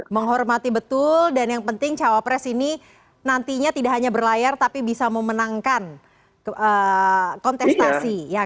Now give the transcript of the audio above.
menghormati betul dan yang penting cawapres ini nantinya tidak hanya berlayar tapi bisa memenangkan kontestasi